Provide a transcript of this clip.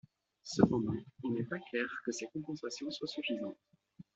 Cependant, il n'est pas clair que ces compensations soient suffisantes.